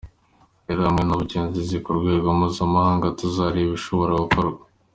Rero hamwe n’ubugenzuzi ku rwego mpuzamahanga, tuzareba igishobora gukorwa.